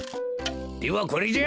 ではこれじゃ。